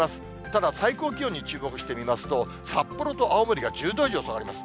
ただ最高気温に注目してみますと、札幌と青森が１０度以上下がります。